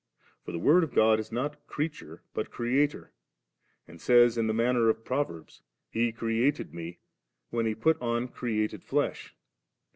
For the Word of God is not creature but Creator; and says in the manner of pro verbs, 'He created me' when He put on created flesh.